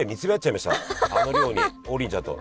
あの量に王林ちゃんと。